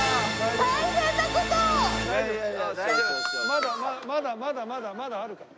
まだまだまだまだまだあるから。